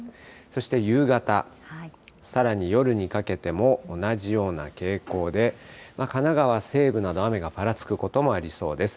そして夕方、さらに夜にかけても同じような傾向で、神奈川西部など、雨がぱらつくこともありそうです。